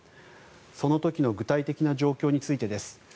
その時の具体的な状況についてです。